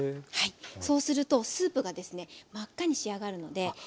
そうするとスープがですね真っ赤に仕上がるのでぜひぜひはい。